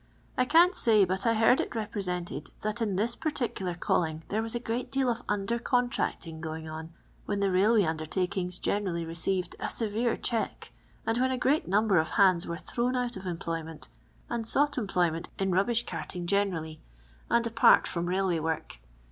I can't say, but I beard it represented, that in this particular calling there was a great deal of undercontracting going on when the railway nndertakhigH generally re ceived a severe check, and when a great number of hands "were thrown out of employment, and sought employment in rubbish carting generally, and apart from rail way work.